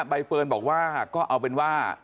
ใบเฟิร์นบอกว่าก็เอาเป็นว่า